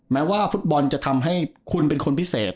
แม้ว่าฟุตบอลจะทำให้คุณเป็นคนพิเศษ